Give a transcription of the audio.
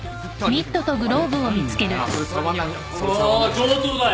上等だよ。